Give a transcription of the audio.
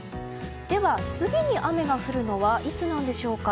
では、次に雨が降るのはいつなんでしょうか。